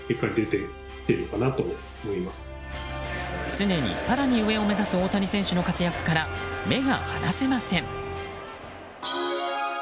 常に更に上を目指す大谷選手の活躍から目が離せません。